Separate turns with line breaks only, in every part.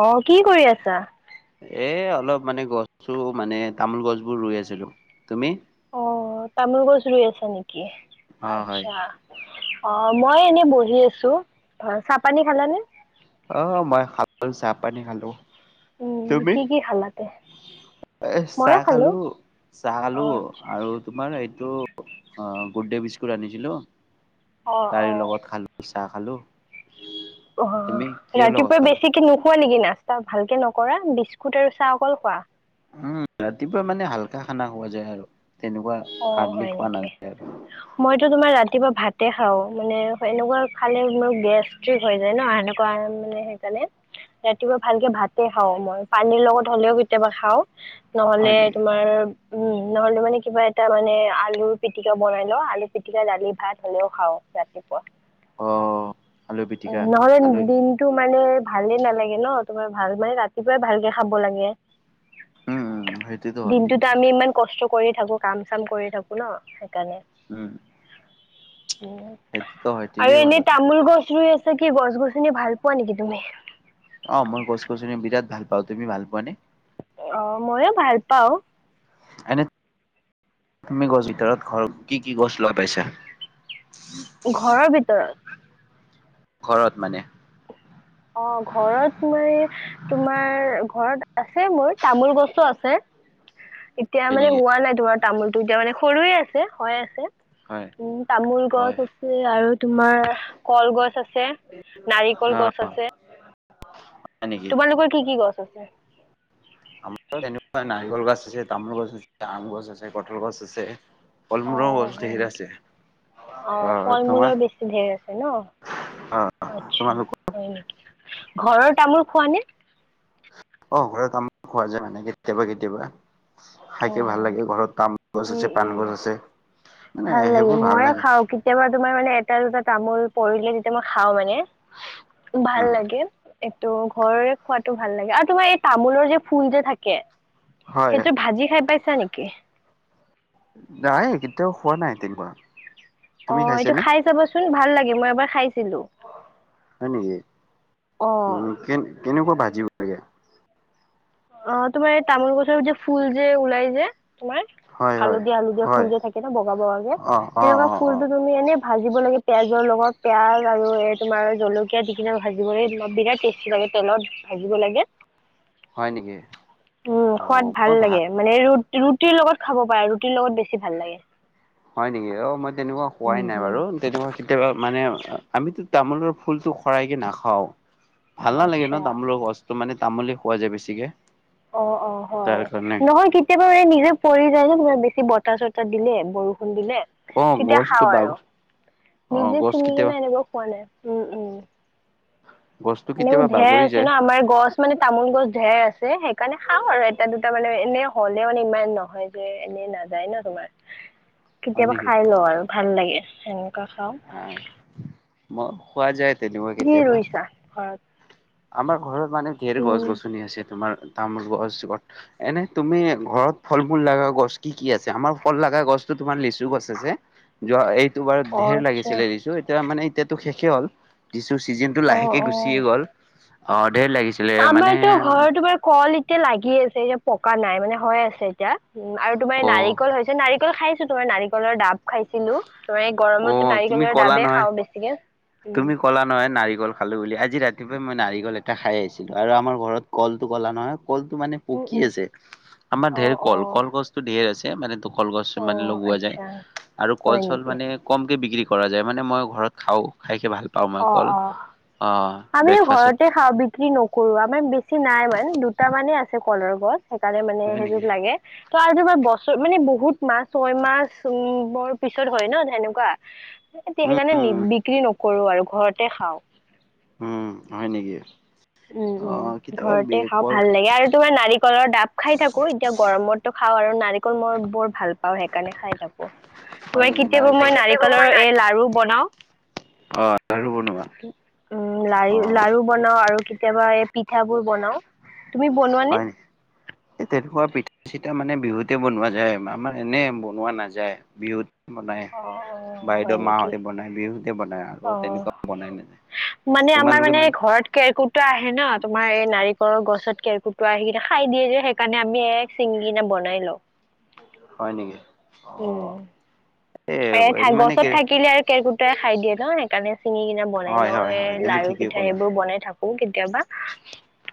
অ' কি কৰি আছা?
এই অলপ মানে গছো মানে তামোল গছ বোৰ ৰুই আছিলোঁ, তুমি?
অ' তামোল গছ ৰুই আছা নেকি?
অ হয়।
আচ্ছা। অ' মই এনেই বহি আছোঁ। ভা চাহ পানী খালানে?
অ' মই খালোঁ, চাহ পানী খালোঁ।
উম, কি কি খালাতে?
এই
ময়ো
চাহ
খালো
খালোঁ, চাহ
অ
খালোঁ
আচ্ছা
আৰু তোমাৰ তোৰ গুড ডে বিস্কুট আনিছিলোঁ।
অহ' অহ'
চাহ খালোঁ।
অহ' ৰাতিপুৱা বেছিকে নোখোৱা নেকি? কি নাস্তা ভালকে নকৰা, বিস্কুট আৰু চাহ অকল খোৱা?
উম, ৰাতিপুৱা মানে হালকা খানা খোৱা যায় আৰু তেনেকুৱা
অ'
হাৰ্ডলি
হয়
খোৱা
নেকি?
নাযায়।
মইতো তোমাৰ ৰা ৰাটিপুৱা ভাতে খাওঁ মানে সেনেকুৱা খালে মোৰ গেষ্ট্ৰিক হৈ যায় ন সেনেকুৱা মানে সেইকাৰণে মানে ৰাতিপুৱা ভালকে ভাতে খাওঁ। মই পানীৰ লগত হ'লেও কেতিয়াবা খাওঁ।
হয়
নহ'লে
নেকি?
তোমাৰ উম, নহ'লে মানে কিবা এটা তাৰমানে আলু পিটিকা বনাই লওঁ, আলু পিটিকা দালি ভাত হ'লেও খাওঁ ৰাতিপুৱা।
অ আলু পিটিকা
নহ'লে
আলু
দিনটো মানে ভালে নালাগে ন' তোমাৰ ভাল মানে ৰাতিপুৱাই ভালকে খাব লাগে।
উম উম সেইটোতো হয়
দিনটোতো
কিন্তু।
আমি ইমান কষ্ট কৰি থাকো। কাম চাম কৰি থাকো ন' সেইকাৰণে।
উম।
উম,
সেইটোতো হয়
আৰু
ঠিকেই
এনে
ক'লা তুমি।
তামোল গছ ৰুই আছ ছে কি গছ-গছনি ভাল পোৱা নেকি তুমি?
অ', মই গছ-গছনি বিৰাট ভাল পাওঁ, তুমি ভাল পোৱা নে?
অ', ময়ো ভাল পাওঁ।
এনে প্ৰথম গছ ভিতৰত ঘৰ কি কি গছ লৈ পাইছে?
ঘৰৰ ভিতৰত?
ঘৰত মানে।
অ', ঘৰত মই তোমাৰ ঘৰত আছে মোৰ তামোল গছো আছে। এতিয়া
হয়
মানে
নেকি
হোৱা নাই তোমাৰ তামোলটো এতিয়া মানে সৰুয়ে আছে, হয় আছে।
হয়
উম, তামোল গছ
হয়
আছে আৰু তোমাৰ কলগছ আছ ছে
অ
নাৰিকল গছ আছে।
হয় নেকি
তোমালোকৰ কি কি গছ আছে?
আমাৰ এনেকুৱা নাৰিকল গছ আছে, তামোল গছ আছে, আম গছ আছে, কঁঠাল গছ আছে।
অ
ফল-মূলৰ গছ
হয়
ধেৰ
নেকি
আছে
অ ফল মূলৰ বেছি ধেৰ আছে ন
অ
আচ্ছা
তোমালোকৰ
হয় নেকি ঘৰৰ তামোল খোৱা নে
অ ঘৰৰ তামোল খোৱা যায় মানে কেতিয়াবা কেতিয়াবা খাইকে ভাল
অ
লাগে ঘৰত তামোল গছ
উম
আছে পান
উম
গছ আছে মানে
ভাল লাগে
সেইবোৰ ভাল
ময়ো
লাগে
খাও কেতিয়াবা তোমাৰ মানে এটা দুটা তামোল পৰিলে তেতিয়া মই খাওঁ মানে ভাল
উম
লাগে একটো ঘৰ খোৱাটো ভাল লাগে আৰু তোমাৰ এই তামোলৰ যে ফুল যে থাকে
হয়
সেইটো ভাজি খাই পাইছা নেকি
নাই কেতিয়াও হোৱা নাই তেনেকুৱা
অ
তুমি
এইটো
খাইছানে
খাই চাবচোন ভাল লাগে মই এবাৰ খাইছিলো
হয় নেকি
অ
উম কেন কেনেকুৱা ভাজিব লাগে
অ তোমাৰ এই তামোল গছৰ যে ফুল যে ওলাই যে তোমাৰ
হয়, হয়,
হালধীয়া হালধীয়া
হয়।
ফুল যে থাকে ন বগা বগাকে
অ', অ',
সেনেকুৱা
অ', অ',
ফুলটো তুমি এনে ভাজিব লাগে পিয়াজৰ লগত পিয়াঁজ আৰু এই তোমাৰ জলকীয়া দি কিনে ভাজিবলৈ অলপ বিৰাট টেষ্টি লাগে তেলত ভাজিব লাগে [inaudible]
হয় নেকি?
উম
অ',
সোৱাদ
মই
ভাল
ভা
লাগে মানে ৰো ৰুটিৰ লগত খাব পাৰে ৰুটিৰ লগত বেছি ভাল লাগে।
হয় নেকি? অ মই তেনেকুৱা হোৱাই
উম
নাই
উম।
বাৰু তেনেকুৱা কেতিয়াবা মানে আমিতো তামোলৰ ফুলটো হৰাইকে নাখাও। ভাল নালাগে
আচ্ছা
ন তামোলৰ গছটো মানে তামোল খোৱা যায় বেছিকে।
অ অ
তাৰ
হয়
কাৰণে।
নহয় কেতিয়াবা মানে নিজে পৰি যায় যে বেচ বতাৰ চতাৰ দিলে বৰু খুন দিলে
অ',
তেতিয়া
গছটো
খাও
বাগ
আৰু,
অ',
নিজে
গছ
চিঙি
কেতিয়াবা
কিনে এনেকা খোৱা নাই। উম উম।
গছটো
এনেও
কেতিয়াবা
ধেৰ
বাগৰি
আছে
যায়,
ন আমাৰ গছ মানে তামোল গছ ধেৰ আছে সেইকাৰণে খাওঁ আৰু এটা দুটা মানে এনে হলে মানে ইমান নহয় যে নাযায় ন তোমাৰ।
হয়
কেতিয়াবা
নেকি?
খায় লওঁ আৰু ভাল লাগে সেনেকুৱা খাওঁ।
ম খোৱা যায় তেনেকুৱা
কি
কেতিয়াবা।
ৰুইছা ঘৰত?
আমাৰ ঘৰত মানে ধেৰ গছ
উম
গছনি আছে তোমাৰ তামোল গছত, এনে তুমি ঘৰত ফল মূল লগা গছ কি কি আছে? আমাৰ ফল লগা গছ তোমাৰ লেচ টো গছ আছে, যোৱা এইটোবাৰ
অ
ধেৰ
আচ্ছা।
লাগিছিলে লেচু, এতিয়া মানে এতিয়াতো শেষে হ'ল, দিছ ছিজনটো
অ
লাহেকে
অ
গুচিয়ে গ'ল। অ ধেৰ লাগিছিলে মানে
আমাৰতো ঘৰ তোমাৰ কল এতিয়া লাগি আছে এতিয়া প কা নাই মানে হৈ আছে এতিয়া, উম আৰু তোমাৰ
অ
নাৰিকল হৈছে নাৰি কল খাইছো তোমাৰ নাৰিকলৰ দাব খাইছিলো। তোমাৰ এই
অ
গৰমতটো
তুমি
নাৰিকলৰ
ক'লা
ডাবেই
নহয়
খাও বেছিকে। উম,
তুমি ক'লা নহয় নাৰিকল খালো বুলি আজি ৰাতিপুৱাই মই নাৰিকল এটা খাই আহিছিলো, আৰু আমাৰ ঘৰত কলটো কলা নহয়। কলটো মানে
উম
পকি
উম
আছে, আমাৰ
অ
ধেৰ কল
অ
কলগছটো ধেৰ আছে। মানে, কলগছ
অ
মানে লগোৱা যায়।
আচ্ছা
আৰু
হয়
কল-চল
নেকি
মানে কমকে বিক্ৰী কৰা যায়, মানে মই ঘৰত খাওঁ। খাইকে ভাল পাওঁ মানে কল।
আমিও
ব্ৰেকফাষ্টত
ঘৰতে খাওঁ, বিক্ৰী নকৰো আমাৰ বেছি নাই মান দুটামানহে আছে কলৰ গছ সেইকাৰণে মানে
হয় নেকি
সেইযোৰ লাগে ত' আৰু বছৰ মানে বহুত মা ছয় মাছ উম। ৰ পিছত হয় ন, সেনেকুৱা এ
উম
সেইকাৰণে
উম
বিক্ৰী নক কৰো আৰু ঘৰতে খাওঁ।
উম, হয় নেকি?
উম
অ
উম,
কেতিয়াবা
ঘৰতে খাওঁ
কল
ভাল লাগে আৰু তোমাৰ নাৰিকলৰ ডাব খাই থাকো। এতিয়া গৰমতটো খাওঁ আৰু নাৰিকল মই বৰ ভাল পাওঁ সেইকাৰণে খাই থাকো
হয়
তোমাৰ
নেকি
কেতিয়াবা
নাৰিকল
মই নাৰিকলৰ এ লাৰু বনাও
অ লাৰু বনোৱা
উম লাৰি
অ
লাৰু বনাও আৰু কেতিয়াবা এই পিঠাবোৰ বনাও তুমি বনোৱানে?
হয় নেকি তেনেকুৱা পিঠা চিতা মানে বিহুতে বনোৱা যায় আমাৰ এনে বনোৱা নাযায় বিহুত বনায়
অ', অ', হয়
বাইদেউ
নেকি?
মাহঁতে বনায় বিহুতে বনায় আৰু তেনেকুৱা
অ'।
বনাই নাযায়
মানে আমাৰ মানে ঘৰত কেৰকুটা আহে ন তোমাৰ এই নাৰিকলৰ গছত কেৰকুট সেই কিনে খাই দিয়ে যে সেইকাৰণে আমি এক চিঙি কিনে বনাই লওঁ
হয় নেকি অ
উম। এ
এই মানে
গছত
কি
থাকিলে আৰু কেৰকুটে খাই দিয়ে ন সেইকাৰণে চিঙি কিনে বনাই
হয় হয়
লয়
হয় তুমি
লাৰু
ঠিকেই
পিঠা
ক'লা
সেইবোৰ বনাই থাকো কেতিয়াবা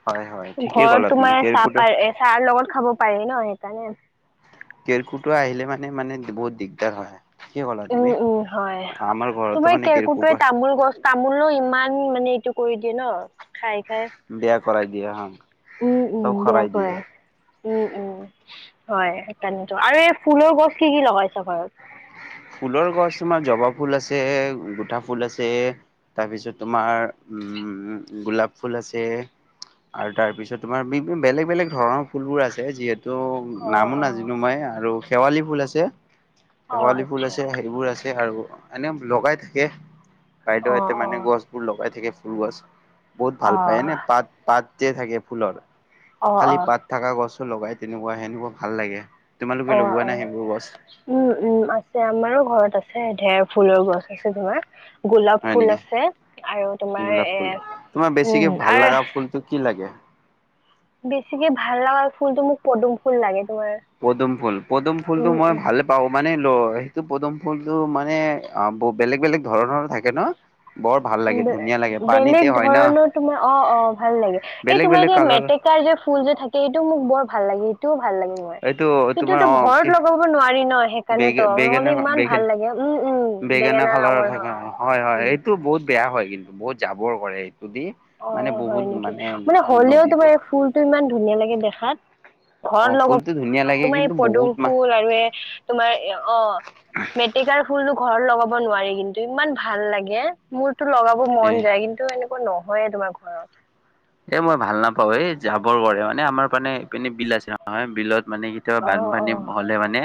হয় হয় ঠিকেই ক'লা
ঘৰত
তুমি
তোমাৰ চাহ
কেৰকুটে
প চাহ লগত খাব পাৰি ন সেইকাৰণে
কেৰকুটো আহিলে মানে মানে বহুত দিগদাৰ হয় কি ক'লা তুমি
উম উম হয়
আমাৰ ঘৰতো
তোমাৰ
মানে
কেৰকুটাই
কেৰকুটুৱা
তামোল গছ তামোলো ইমান মানে এইটো কৰি দিয়ে ন খাই খাই
বেয়া কৰাই দিয়ে হা।
উম উম
চব
বেয়া
খৰাই দিয়ে
কৰে উম উম হয় স তানো আৰু এই ফুলৰ গছ কি কি লগাইছ ঘৰত
ফুলৰ গছ তোমাৰ জবা ফুল আছে গোটা ফুল আছে তাৰপিছত তোমাৰ উম গোলাপ ফুল আছে আৰু তাৰ পিছত তোমাৰ বি বেলেগ বেলেগ ধৰণৰ ফুলবোৰ আছে যিহেতু ত'
অ
নামো
অ
নাজানো মই আৰু শেৱালি ফুল আছে শেৱালি
হয়
ফুল আছে সেইবোৰ আছে আৰু এনে লগাই থাকে
অ
বাইদেউহঁতে
অ
মানে গছবোৰ লগাই থাকে ফুল গছ বহুত
অ
ভাল পায় এনে পাত পাত থাকে ফুলৰ
অ অ
খালি পাত থকা গছো লগাই তেনেকুৱা সেনেকুৱা ভাল লাগে তোমালোকে
অ
লগোৱা
অ
নাই সেইবোৰ গছ
উম উম আছ যে আমাৰো ঘৰত আছে ঢেৰ ফুলৰ গছ আছে তোমাৰ গোলাপ
হয়
ফুল
নেকি?
আছে আৰু তোমাৰ
গোলাপ
এ
ফুল তোমাৰ বেছিকে
উম
ভাল
আৰু
লগা ফুলটো কি লাগে?
বেছিকে ভাল লগাগা আৰু ফুলটো মোক পদুম ফুল লাগে তোমাৰ।
পদুম ফুল পদুম ফুলটো
উম,
মই ভালে পাওঁ মানে সেইটো পদম ফুল টো মানে অ বেলেগ বেলেগ ধৰণৰ থাকে ন বৰ ভাল লাগে ধুনীয়া লাগে পানীতে
বেলেগ
হয় ন
ধৰণৰ তোমাৰ অ অ ভাল লাগে এই
বেলেগ
তোমাৰ
বেলেগ
যে
কালাৰ
মেটেকাৰ যে ফুল যে থাকে এইটো মোক বৰ ভাল লাগে সেইটোও ভাল লাগে মই
এইটো তোমাৰ
কিন্তুটো
অ
ঘৰত
কি
লগাব নোৱাৰি ন সেইকাৰণ
বেগে
তো নহ'লে ইমান
বেগেন
ভাল লাগে উম উম।
বেগেনা
বেঙেনা
কালাৰৰ
ৰঙৰ
থাকে
অ',
হয় হয়
উম,
এইটো
উম।
বহুত বেয়া হয় কিন্তু বহুত জাবৰ কৰে দি
অ
মানে
হয়
বহুত
নেকি মানে হলেও
নদীতো
তোমাৰ এই ফুলটো ইমান ধুনীয়া লাগে দেখাত
অ
ঘৰত লগাব
ফুলটো ধুনীয়া লাগে
তোমাৰ এই
কিন্তু
পদুম
বহুত মা
ফুল আৰু এই তোমাৰ অ মেটেকাৰ ফুলো ঘৰত লগাব নোৱাৰি কিন্তু ইমান ভাল লাগে মোৰতো লগাব
এ
মন যায় কিন্তু এনে নহয়ে তোমাৰ ঘৰত
এ মই ভাল নাপাও এই জাবৰ কৰে মানে আমাৰ মানে এইপিনে বিল আছে নহয় বিলত মানে কেতিয়াবা
অ অ
বানপানী হ'লে মানে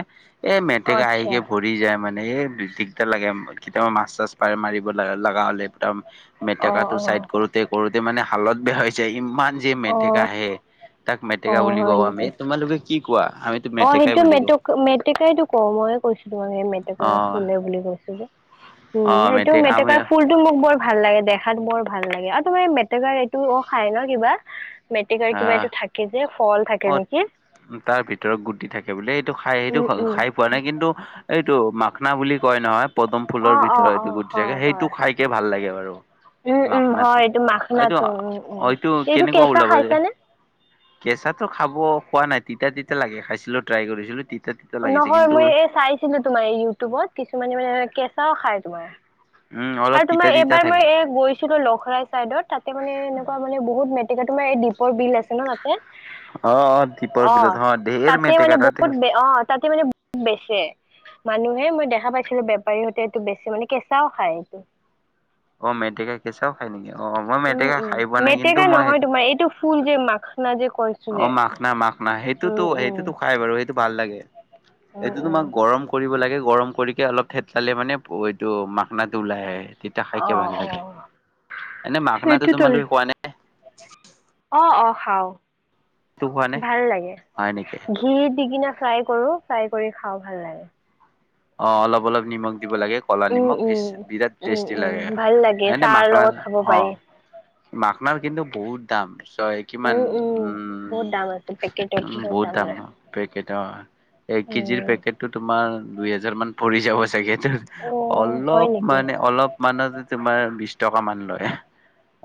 এই মেটেকা
আচ্ছা
আহিকে ভৰি যায় মানে মানে দিগদাৰ লাগে কেতিয়াবা মাছ চাছ পাৰে মাৰিব লগা হ'লে একদম
অ
মেটেকাটো
অ
চাইড কৰোতে কৰোতে মানে হালত বেয়া হৈ যায় ইমান যে
অ
মেটেকা আহে তাক
অ
মেটেকা বুলি
হয়
কওঁ আমি
নেকি
তোমালোকে কি কোৱা আমিতো
অ
মেটেকাই
সেইটো
বুলি কওঁ
মেটেকা মেটেকাইটো ক মইে কৈছো তোমাক সেই মেটেকা
অ
ফুলে বুলি কৈছো যে
অ
উম সেইটো
আমি
মেটেকা ফুলটো মোক বৰ ভাল লাগে দেখাত বৰ ভাল লাগে আৰু তোমাৰ মেটেকাৰ এইটোও খায় ন কিবা মেটেকাৰ কিবা
আহ
এইটো থাকে যে ফল থাকে নেকি
ভিতৰক গুটি থাকে বোলে এইটো খাই সেইটো
উম উম
খাই পোৱা নাই কিন্তু এইটো মখনা বুলি কয় নহয় পদুম ফুলৰ
অ অ
ভিতৰৰ
অ
এইটো গুটি থাকে,
হয়
সেইটো
হয়
খাইকে ভাল লাগে বাৰু।
উম উম হয়
মাখনাটো,
এইটো মাখনাটো উম উম
এইটো-এইটো
এইটো
কেনেকুৱা
কেঁচা
ওলাব যে
খাইছানে
কেঁচাটো খাব পোৱা নাই, তিতা তিতা লাগে খাইছিলো ট্ৰাই কৰিছিলো, তিত
নহয় মই এই চাইছিলো তোমাৰ ইউটিউবত, কিছুমানে মানে কেঁচাও খায় তোমাৰ।
উম অলপ
আৰু
তিতা
তোমাৰ
তিতা থাকে
এইবাৰ এই গৈছিলো লখৰা চাইদ, ত তাতে মানে এনেকুৱা মানে বহুত মেটেকাত তোমাৰ এই দ্বীপৰ বিল আছে ন তাতে
অ অ দীপৰ বিলত
অ',
ধেৰ
তাতে মানে
মেটেকা তাতে
বহুত, অ', তাতে মানে বহুত বেচে। মানুহে মই দেখা পাইছিলো, বেপাৰীহঁতে এইটো বেছি মানে কেঁচাও খায় এইটো।
অ', মেটেকা কেঁচাও খায় নেকি, অ'। মই
উম,
মেতেকা
উম,
খাই পোৱা নাই কিন্তু
মেটেকা
মই
নহয়
সেইটো
তোমাৰ এইটো ফুল যে মাখনা যে কৈছো
অ',
যে।
মাখনা মাখনা,
উম,
সেইটোতো
উম,
সেইটোতো খাই বাৰু, সেইটো ভাল লাগে।
উম,
এইটো তোমাৰ
উম,
গৰম কৰিব লাগে গৰম কৰিকে অলপ থেতলালে মানে এইটো মাখনাটো ওলাই আহে। তেতিয়া খাইকে
অ',
ভাল লাগে,
অ'।
এনে মাখনাটো
সেইটোতো
তোমালোকে খোৱা নে?
অ' অ', খাওঁ,
এইটো খোৱা নে
ভাল লাগে,
হয় নেকি?
ঘি দি কিনা ফ্ৰাই কৰো, ফ্ৰাই কৰি খাওঁ ভাল লাগে।
অ' অলপ অলপ নিমখ দিব লাগে ক'লা
উম,
নিমখ,
উম,
ইচ, বিৰাট
উম,
টেষ্টি
উম,
লাগে,
ভাল লাগে
এনে
চাহৰ
মাখনা,
লগত খাব পাৰি।
অ' মাখনাৰ কিন্তু বহুত দাম, ছয় কিমান,
উম,
উম
বহুত দাম আছে পেকেটত
বহ বহুত দাম
লয়
পেকেট অ', এক কেজিৰ
উম।
পেকেটতো তোমাৰ দুই হেজাৰ মান পৰি যাব চাগে এইটোত।
অ' হয়
অলপ
নেকি
মানে অলপ মানতে তোমাৰ বিশ টকা মান লয়।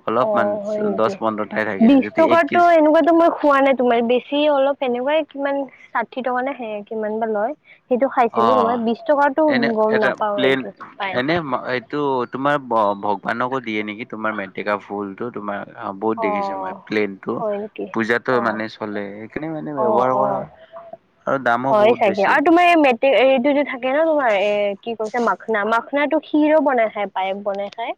অলপমান
অ', হয়
দহ
নেকি?
পোন্ধৰটাই থাকে
বিশ
যদি এক
টকাতটো
কেজি
এনেকুৱাতো মই খোৱা নাই তোমাৰ, বেছি অলপ তেনেকুৱাই কিমান ষাঠি টকা নে সেইয়া কিমান বা লয়। সেইটো খাইছিলো তোমাৰ
অ',
বিশ টকাৰতো
এনে
গম
এটা
নাপাও
প্লেন,
এইটো পাই
এনে-এইটো তোমাৰ ব ভগৱানকো দিয়ে নেকি তোমাৰ মেটেকা ফুল টো, তোমাৰ অ', বহুত দেখিছে মই
অ'
প্লেনটো,
হয় নেকি
পূজাটো
অ'
মানে চলে সেইখিনি মানে
অ'
ব্যৱহাৰ কৰা
অ'
হয়। আৰু দামো
হয়
বহুত
চাগে
বেছি।
আৰু তোমাৰ এই মেট্ৰিক এইটো যে থাকে ন তোমাৰ, এ কি কৈছা মাখনা-মাখনাটো খিৰো বনাই খায়, পায়স বনাই খায়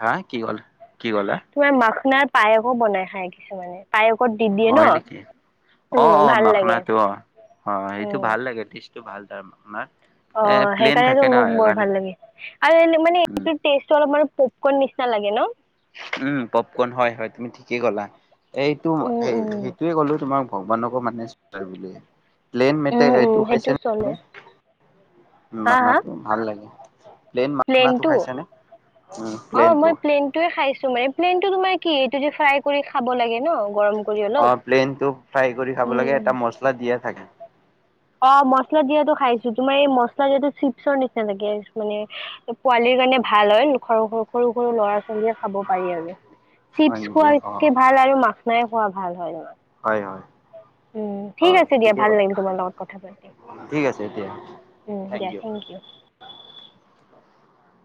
হা কি ক'ল, কি ক'লা?
তোমাৰ মাখনাৰ পায়সো বনাই খায় কিছুমানে পায়সত দি দিয়ে ন
হয় নেকি,
উম
অ' অ'
ভাল লাগে
মাখনাটো অ', অ' সেইটো
উম
ভাল লাগে টেষ্ট সেইটো ভাল [unintelligible] এ
অ',
প্লেন থাকে
সেইকাৰনেইটো
ন
মোক বৰ
সেইকাৰণে
ভাল লাগে, আৰু মানে এনে মানে
উম
এটো টেষ্টটো অলপমান পপকণ নিচিনা লাগে ন?
উম পপকৰ্ন হয় হয়, তুমি ঠিকেই ক'লা, এইটো
উম উম
সেইটোয়ে ক'লো তোমাৰ ভগৱানকো মানে [unintelligible] প্লেন
উম
মেটে
উম
এইটো
সেইটো
খাইছা
চলে
ন উম,
হা হা
মাখনাটো ভাল লাগে। প্লেন মাখনাটো
প্লেনটো,
খাইছানে? উম
অ',
প্লেনটো
মই প্লেনটোৱে খাইছো মানে প্লেনটো তোমাৰ কি এইটো যে ফ্ৰাই কৰি খাব লাগে ন, গৰম কৰি অলপ
অ', প্লেন টো ফ্ৰাই কৰি খাব লাগে,
উম
এটা মচলা দিয়ে থাকে।
অ', মছলা দিয়াটো খাইছো, তোমাৰবএই মছলা দিয়াটো চিপছৰ নিচিনা লাগে মানে পোৱালিৰ কাৰণে ভাল হয়, সৰু সৰু ল'ৰা ছোৱালীয়ে খাব পাৰি আৰু।
হয়
চিপছ
নেকি অ
খোৱাতকে ভাল আৰু মাখনাই খোৱা ভাল হয় তোমাৰ
হয় হয়
উম ঠিক
হয়
আছে দিয়া,
ঠিকে
ভাল
ক'লা
লাগিল তোমাৰ লগত কথা পাতি
ঠিক আছে এতিয়া
উম, দিয়া থেংক ইউ।